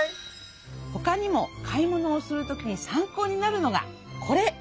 ほかにも買い物をするときに参考になるのがこれ。